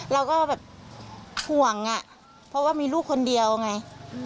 เราก็แบบห่วงอ่ะเพราะว่ามีลูกคนเดียวไง